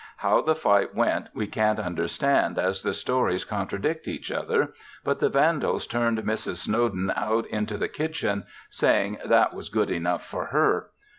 How the fight went we can't understand as the stories contradict each other, but the vandals turned Mrs. Snowden out into the kitchen, saying that was good enough for her.